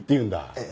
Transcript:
ええ。